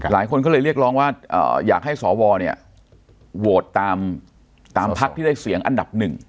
หลายคนก็เลยเรียกร้องว่าอยากให้สวเนี่ยโหวตตามพักที่ได้เสียงอันดับหนึ่ง